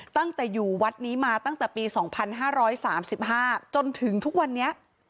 ตั้งแต่อยู่วัดนี้มาตั้งแต่ปี๒๕๓๕จนถึงทุกวันนี้